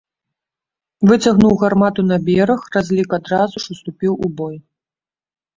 Выцягнуў гармату на бераг, разлік адразу ж уступіў у бой.